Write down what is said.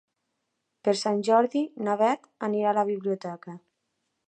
Per Sant Jordi na Bet anirà a la biblioteca.